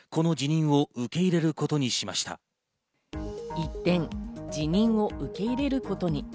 一転、辞任を受け入れることに。